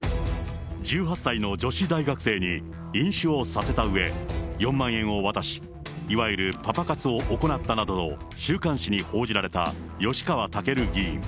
１８歳の女子大学生に飲酒をさせたうえ、４万円を渡し、いわゆるパパ活を行ったなどと週刊誌に報じられた吉川赳議員。